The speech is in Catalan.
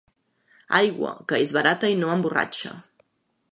Aigua, que és barata i no emborratxa.